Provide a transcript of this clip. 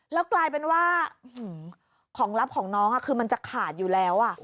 แล้วกลายเป็นว่าของลับของน้องคือมันจะขาดอยู่แล้ว